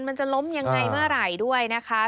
มันจะล้มอย่างไรมาหล่ายด้วยนะคะ